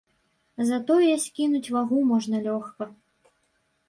Затое скінуць вагу можна лёгка.